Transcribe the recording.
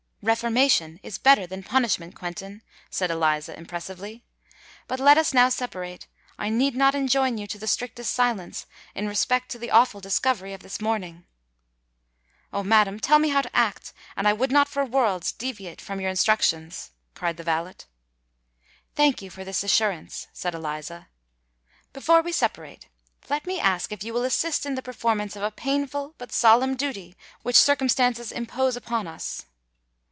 "Reformation is better than punishment, Quentin," said Eliza, impressively. "But let us now separate. I need not enjoin you to the strictest silence in respect to the awful discovery of this morning." "Oh! madam, tell me how to act, and I would not for worlds deviate from your instructions," cried the valet. "Thank you for this assurance," said Eliza. "Before we separate, let me ask if you will assist in the performance of a painful but solemn duty which circumstances impose upon us?"